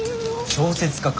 小説家か。